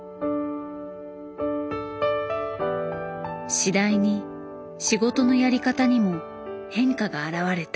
次第に仕事のやり方にも変化が表れた。